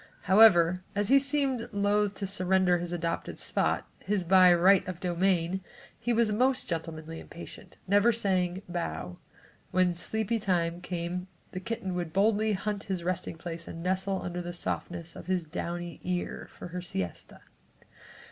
However as he seemed loathe to surrender this adopted spot, his by "right of domain," he was most gentlemanly and patient, never even saying "bow." When sleepy time came the kitten would boldly hunt his resting place and nestle under the softness of his downy ear for her siesta.